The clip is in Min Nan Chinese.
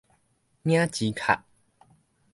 領錢卡